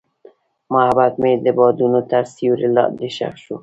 محبت مې د بادونو تر سیوري لاندې ښخ شو.